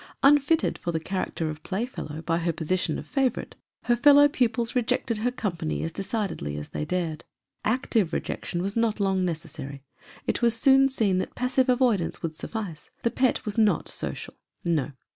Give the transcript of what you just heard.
Unfitted for the character of playfellow by her position of favorite, her fellow pupils rejected her company as decidedly as they dared. Active rejection was not long necessary ; it was soon seen that passive avoidance would suffice ; the pet was not social. No.